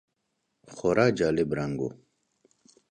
خورا جالب رنګ و .